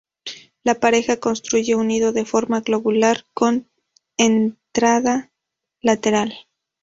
La pareja construye un nido de forma globular con entrada lateral.